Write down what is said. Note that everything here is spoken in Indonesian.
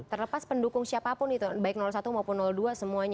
terlepas pendukung siapapun itu